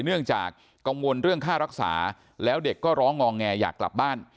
เนื่องจากกังวลเรื่องค่ารักษาแล้วเด็กก็ร้องงอแงอยากกลับบ้าน